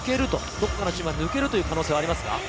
どこかのチームが抜ける可能性はありますか？